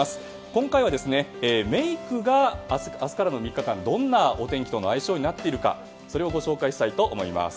今回は、メイクが明日からの３日間どんなお天気との相性になっているかをご紹介したいと思います。